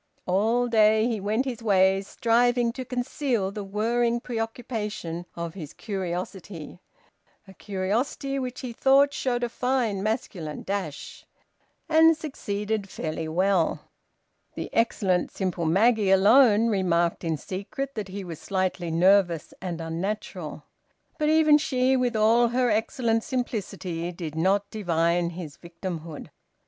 All day he went his ways, striving to conceal the whirring preoccupation of his curiosity (a curiosity which he thought showed a fine masculine dash), and succeeded fairly well. The excellent, simple Maggie alone remarked in secret that he was slightly nervous and unnatural. But even she, with all her excellent simplicity, did not divine his victimhood.